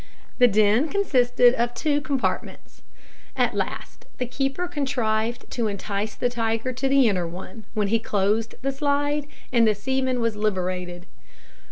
The den consisted of two compartments. At last the keeper contrived to entice the tiger to the inner one, when he closed the slide, and the seaman was liberated.